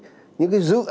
và những cái dự án lớn